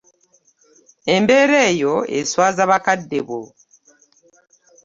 Embeera eyo eswaza bakadde bo.